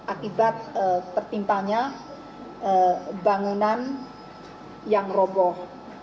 akibat tertimpanya bangunan yang roboh